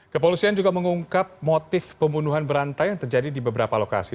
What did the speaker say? kepolisian juga mengungkap motif pembunuhan berantai yang terjadi di beberapa lokasi